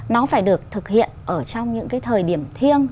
nó phải được thực hiện ở trong những cái thời điểm thiêng